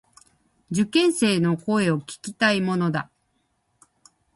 受験生の声を聞きたいものだ。